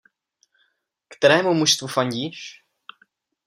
Kterému mužstvu fandíš?